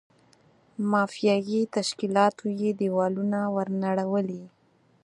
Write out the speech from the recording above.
مافیایي تشکیلاتو یې دېوالونه ور نړولي.